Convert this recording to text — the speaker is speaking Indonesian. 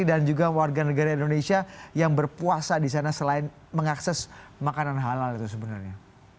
dan juga warga negara indonesia yang berpuasa di sana selain mengakses makanan halal itu sebenarnya